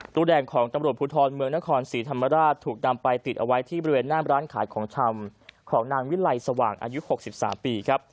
ตู้แดงของตำรวจภูทรเมืองนครศรีธรรมราชถูกนำไปติดเอาไว้ที่บริเวณหน้ามร้านขายของชำของนางวิลัยสว่างอายุ๖๓ปีครับ